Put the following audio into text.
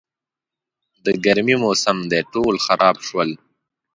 د ګرمي موسم دی، ټول خراب شول.